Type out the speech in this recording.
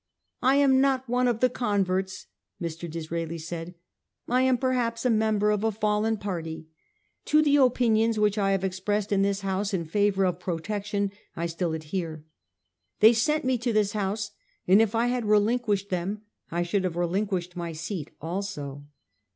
* I am not one of the converts,' Mr. Disraeli said. ' I am perhaps a mem ber of a fallen party. To the opinions which I have expressed in this House in favour of Protection I still adhere. They sent me to this House, and if I had ■relinquished them I should have relinquished my seat also.